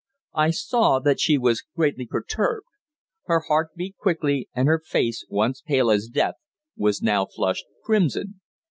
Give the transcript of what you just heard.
I saw that she was greatly perturbed. Her heart beat quickly, and her face, once pale as death, was now flushed crimson.